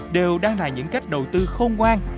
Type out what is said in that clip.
đều đang là những cách đầu tư khôn ngoan